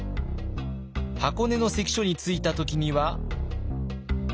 箱根の関所に着いた時には。